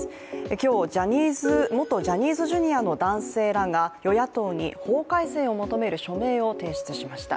今日、元ジャニーズＪｒ．の男性らが与野党に法改正を求める署名を提出しました。